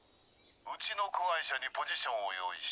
うちの子会社にポジションを用意した。